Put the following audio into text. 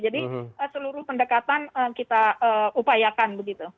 jadi seluruh pendekatan kita upayakan begitu